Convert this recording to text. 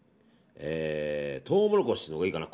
トウモロコシのほうがいいかな。